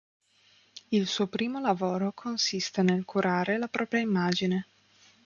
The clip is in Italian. Il suo primo lavoro consiste nel curare la propria immagine.